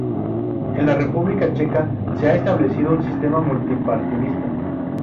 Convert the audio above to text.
En la República Checa, se ha establecido un sistema multipartidista.